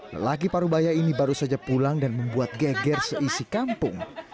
lelaki parubaya ini baru saja pulang dan membuat geger seisi kampung